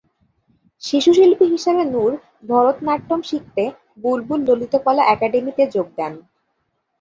শিশুশিল্পী হিসাবে নূর ভরতনাট্যম শিখতে বুলবুল ললিতকলা একাডেমীতে যোগ দেন।